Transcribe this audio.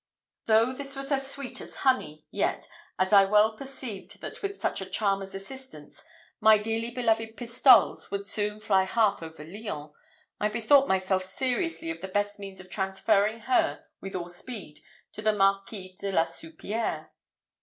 "Though this was as sweet as honey, yet, as I well perceived that with such a charmer's assistance my dearly beloved pistoles would soon fly half over Lyons, I bethought myself seriously of the best means of transferring her, with all speed, to the Marquis de la Soupierre.